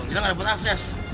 kita tidak dapat akses